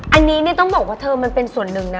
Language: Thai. อันนี้ต้องบอกว่าเธอมันเป็นส่วนหนึ่งนะ